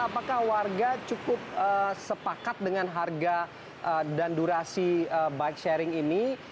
apakah warga cukup sepakat dengan harga dan durasi bike sharing ini